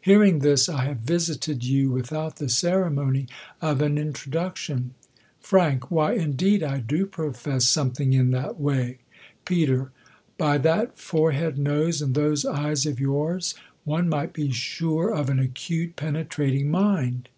Hear ing this, I have visited you without the ceremony of an introduction. Fr, Why, indeed, I do profess something in that way. Pet, By that foreheadj nose, and those eyes oi yours, one might be sure of an acute, penetrating mind.